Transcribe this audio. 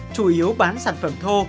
chủ yếu bán sản phẩm thô